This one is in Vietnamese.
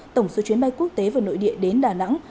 tổng số chuyến bay quốc tế và nội địa đến đà nẵng